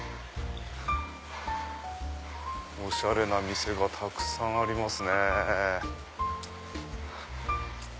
おしゃれな店がたくさんありますね。